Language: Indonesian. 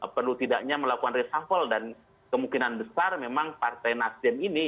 perlu tidaknya melakukan reshuffle dan kemungkinan besar memang partai nasdem ini